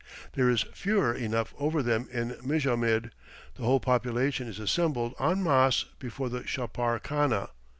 There is furor enough over them in Mijamid; the whole population is assembled en masse before the chapar khana.